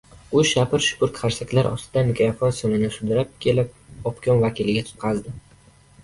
U shapir-shupir qarsaklar ostida mikrofon simini sudrab kelib, obkom vakiliga tutqazdi.